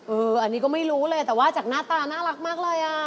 อันนี้ก็ไม่รู้เลยแต่ว่าจากหน้าตาน่ารักมากเลยอ่ะ